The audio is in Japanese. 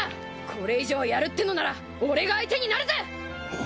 これ以上やるってのなら俺が相手になるぜ！